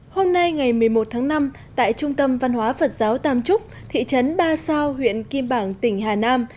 hôm nay ngày một mươi một tháng năm tại trung tâm văn hóa phật giáo tam trúc thị trấn ba sao huyện kim bảng tỉnh hà nam